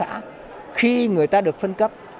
vấn đề quan trọng là khi người ta được phân cấp